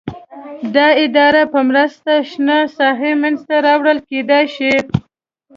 د ادارې په مرسته شنه ساحه منځته راوړل کېدلای شي.